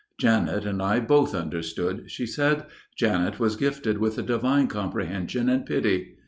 "Janet and I both understood," she said. "Janet was gifted with a divine comprehension and pity.